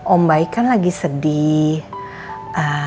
om baik kan sedih